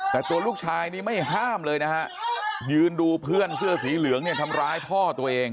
แต่ตัวลูกชายนี่ไม่ห้ามเลยนะฮะยืนดูเพื่อนเสื้อสีเหลืองเนี่ยทำร้ายพ่อตัวเอง